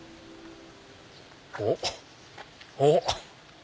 おっおっ！